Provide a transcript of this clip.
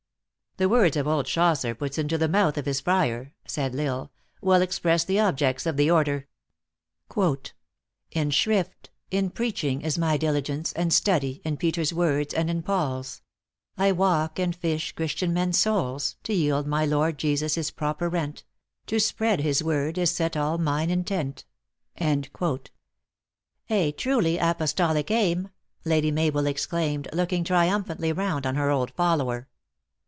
" The words old Chaucer puts into the mouth of his friar," said L Isle, " well express the objects of the order :" In shrift, in preaching is my diligence, And study in Peter s words and in Paul s ; I walk and fish Christian men s souls, To yield my Lord Jesu his proper rent ; To spread his word is set all mine intent." u A truly apostolic aim !" Lady Mabel exclaimed, looking triumphantly round on her old follower.